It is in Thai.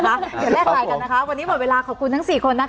เดี๋ยวแลกไลน์กันนะคะวันนี้หมดเวลาขอบคุณทั้ง๔คนนะคะ